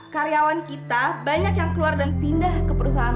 karyawan kita banyak yang keluar dan pindah ke perusahaan